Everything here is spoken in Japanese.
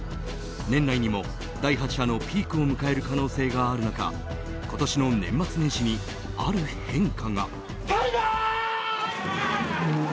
年内にも第８波のピークを迎える可能性がある中今年の年末年始にある変化が。